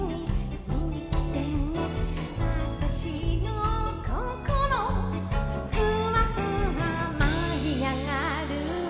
「わたしのココロふわふわ舞い上がる」